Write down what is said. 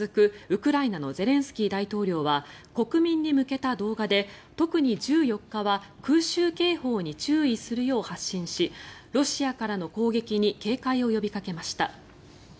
ウクライナのゼレンスキー大統領は国民に向けた動画で特に１４日は空襲警報に注意するよう発信しロシアからの攻撃に警戒を呼びかけました。